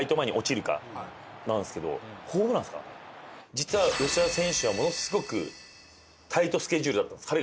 実は吉田選手はものすごくタイトスケジュールだったんです彼が一番。